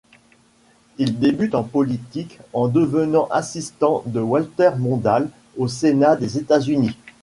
Il débute en politique en devenant assistant de Walter Mondale au Sénat des États-Unis.